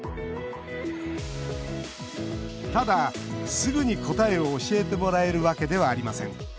ただ、すぐに答えを教えてもらえるわけではありません。